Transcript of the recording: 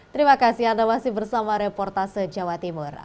terima kasih anda masih bersama reportase jawa timur